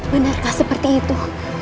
benarkah seperti itu